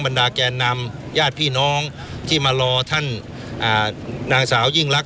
ดาแกนนำญาติพี่น้องที่มารอท่านนางสาวยิ่งรัก